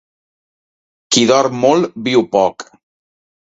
Qui dorm molt viu poc.